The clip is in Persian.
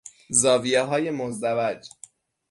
زاویههای مزدوج